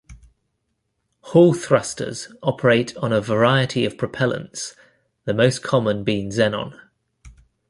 Hall thrusters operate on a variety of propellants, the most common being xenon.